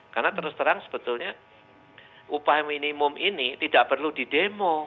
karena terus terang sebetulnya upah minimum ini tidak perlu didemo